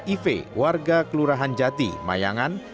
iv warga kelurahan jati mayangan